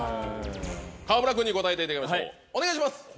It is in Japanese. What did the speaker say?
川村君に答えていただきましょうお願いします。